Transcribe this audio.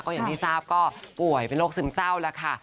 อย่างที่ทราบก็ป่วยเป็นโรคซึมเศร้าแล้วค่ะ